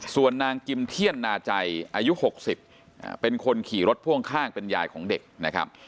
ส่วนนางกิมเทียนนาใจอายุ๖๐เป็นคนขี่รถพ่วงข้างเป็นยายของเด็กนะครับ